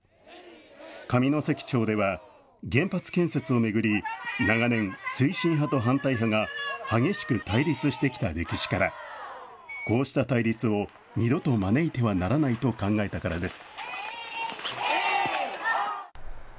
上関町では原発建設を巡り、長年、推進派と反対派が激しく対立してきた歴史から、こうした対立を二度と招いてはならないと考えたからです。